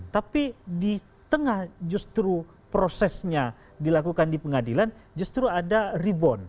tapi di tengah justru prosesnya dilakukan di pengadilan justru ada rebound